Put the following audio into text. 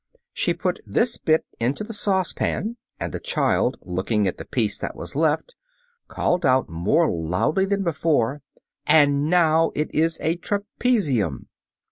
She put this bit into the saucepan, and the child, looking at the piece that was left, called out more loudly than before, "And now it is a trapezium."